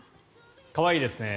可愛いですね。